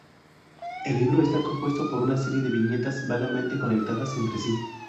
El libro está compuesto por una serie de viñetas vagamente conectadas entre sí.